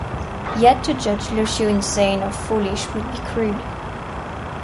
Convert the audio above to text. Yet to judge Lucia insane or foolish would be crude.